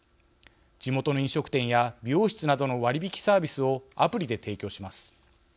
地元の飲食店や美容室などの割引サービスをアプリで提供します。